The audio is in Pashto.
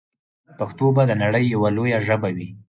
پښتو به د نړۍ یوه لویه ژبه وي.